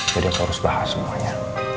jadi aku harus bahas semuanya